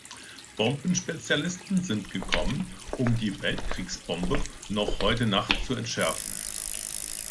Bombenspezialisten sind gekommen, um die Weltkriegsbombe noch heute Nacht zu entschärfen.